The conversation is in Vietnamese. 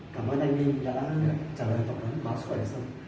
cảm ơn anh nguyễn đã trả lời phỏng vấn báo sức khỏe và sống